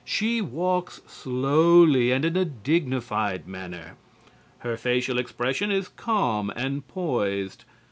She walks slowly and in a dignified manner. Her facial expression is calm and poised.